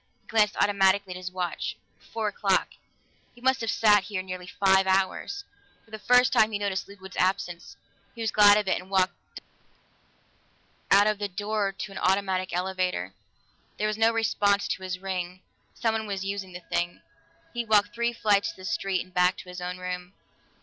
He glanced automatically at his watch: four o'clock he must have sat here nearly five hours. For the first time he noticed Ludwig's absence; he was glad of it and walked dully out of the door to an automatic elevator. There was no response to his ring; someone was using the thing. He walked three flights to the street and back to his own room.